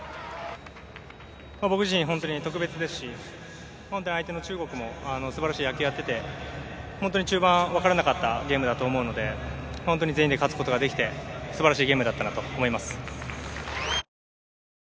僕自身、特別ですし相手の中国も素晴らしい野球をやっていて中盤分からなかったと思うんで本当に全員で勝つことができて素晴らしいゲームだったなと思います。